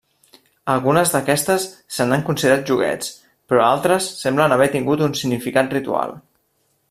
Algunes d'aquestes se n'han considerat joguets, però altres semblen haver tingut un significat ritual.